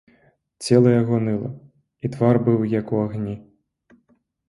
Цела яго ныла, і твар быў як у агні.